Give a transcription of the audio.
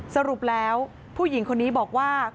สรุปแล้วผู้หญิงคนนี้บอกว่า